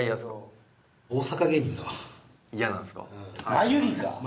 マユリカ。